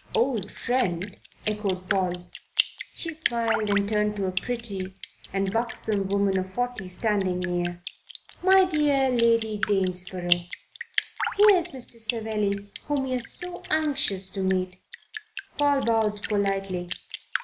"Old friend?" echoed Paul. She smiled and turned to a pretty and buxom woman of forty standing near. "My dear Lady Danesborough. Here is Mr. Savelli, whom you are so anxious to meet." Paul bowed politely.